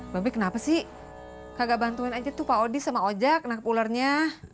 tapi kenapa sih kagak bantuin aja tuh pak odi sama ojak nangkep ulernya